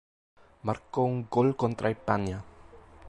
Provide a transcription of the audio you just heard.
Marcó un gol contra España.